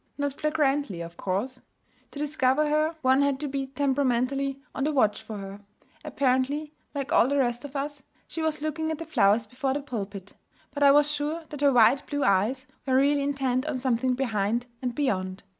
Not flagrantly, of course. To discover her one had to be temperamentally on the watch for her. Apparently, like all the rest of us, she was looking at the flowers before the pulpit; but I was sure that her wide blue eyes were really intent on something behind and beyond.